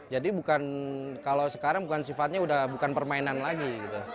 jadi kalau sekarang sifatnya bukan permainan lagi